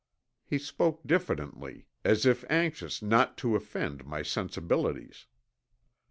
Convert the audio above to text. He spoke diffidently, as if anxious not to offend my sensibilities.